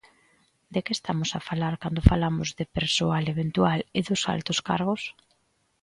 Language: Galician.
¿De que estamos a falar cando falamos de persoal eventual e dos altos cargos?